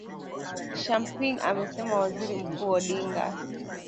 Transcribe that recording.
shamping amesema waziri mkuu odinga